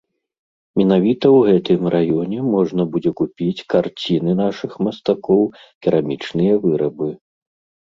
Менавіта ў гэтым раёне можна будзе купіць карціны нашых мастакоў, керамічныя вырабы.